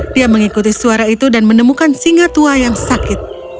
dia mengikuti suara itu dan menemukan singa tua yang sakit